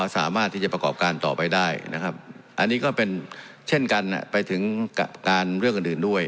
สามารถที่จะประกอบการต่อไปได้นะครับอันนี้ก็เป็นเช่นกันไปถึงกับการเรื่องอื่นด้วย